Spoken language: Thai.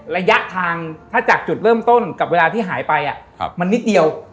ระยะทางถ้าจากจุดเริ่มต้นกับเวลาที่หายไปมันนิดเดียว